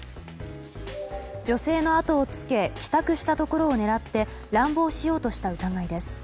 女性のあとをつけ帰宅したところを狙って乱暴しようとした疑いです。